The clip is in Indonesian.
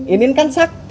inin kan sakti